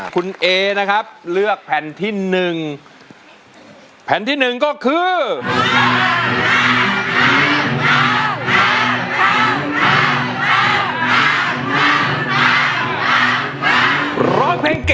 ตัวช่วยละครับเหลือใช้ได้อีกสองแผ่นป้ายในเพลงนี้จะหยุดทำไมสู้อยู่แล้วนะครับ